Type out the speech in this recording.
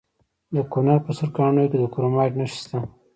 د کونړ په سرکاڼو کې د کرومایټ نښې شته.